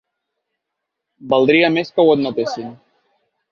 Valdria més que ho admetessin.